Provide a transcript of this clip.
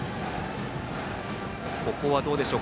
ここはどうでしょう。